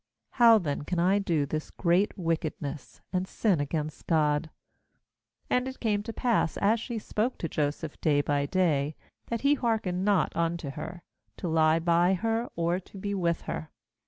How then can I do this great wicked ness, and sin against God?' l°And it came to pass, as she spoke to Joseph day by day, that he hearkened not unto her, to lie by her, or to be with her.